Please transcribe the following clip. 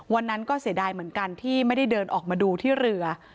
วันนั้นก็เสียดายเหมือนกันที่ไม่ได้เดินออกมาดูที่เรือ